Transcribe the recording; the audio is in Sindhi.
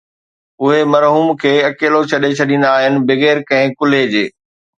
اهي مرحوم کي اڪيلو ڇڏي ڇڏيندا آهن بغير ڪنهن ڪلهي جي